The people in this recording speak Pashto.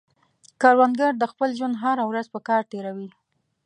کروندګر د خپل ژوند هره ورځ په کار تېروي